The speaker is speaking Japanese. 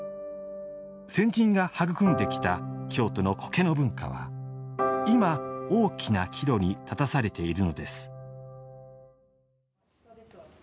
先人が育んできた京都の苔の文化は今、大きな岐路に立たされているのです。